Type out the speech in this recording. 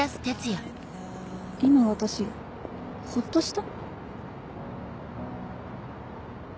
今私ホッとした？